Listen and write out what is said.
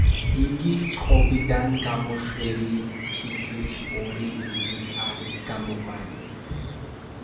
იგი წყობიდან გამოშვერილი ფიქლის ორი რიგით არის გამოყვანილი.